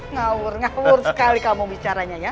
ngawur ngawur sekali kamu bicaranya ya